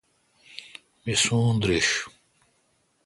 می سون درݭ۔